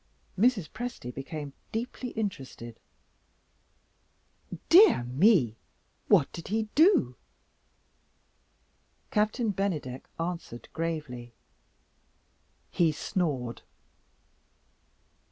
Mrs. Presty became deeply interested. "Dear me, what did he do?" Captain Bennydeck answered gravely: "He snored."